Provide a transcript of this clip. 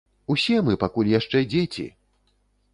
Усе мы пакуль яшчэ дзеці!